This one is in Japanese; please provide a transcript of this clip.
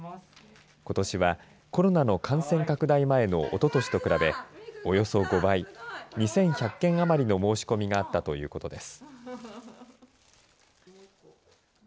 ことしは、コロナの感染拡大前のおととしと比べおよそ５倍２１００件余りの申し込みがあったということです。